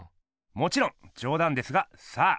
もちろんじょうだんですがさあ